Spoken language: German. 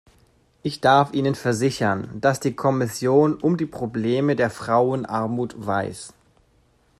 Ich darf Ihnen versichern, dass die Kommission um die Probleme der Frauenarmut weiß.